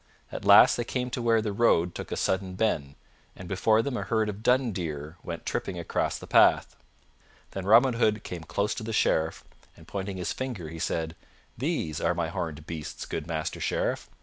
At last they came to where the road took a sudden bend, and before them a herd of dun deer went tripping across the path. Then Robin Hood came close to the Sheriff and pointing his finger, he said, "These are my horned beasts, good Master Sheriff.